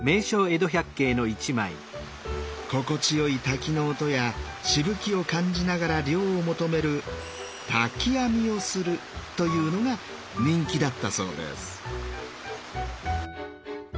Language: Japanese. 心地よい滝の音やしぶきを感じながら涼を求める「滝浴み」をするというのが人気だったそうです。